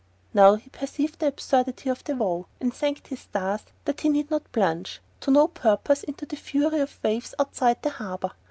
Now he perceived the absurdity of the vow, and thanked his stars that he need not plunge, to no purpose, into the fury of waves outside the harbour.